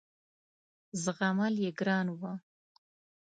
زغمل یې ګران وه.